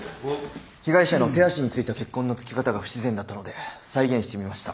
被害者の手足に付いた血痕の付き方が不自然だったので再現してみました。